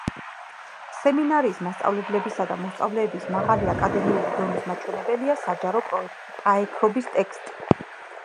სემინარიის მასწავლებლებისა და მოსწავლეების მაღალი აკადემიური დორნის მაჩვენებელია საჯარო პაექრობის ტექსტი.